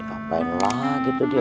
apaan lagi tuh dia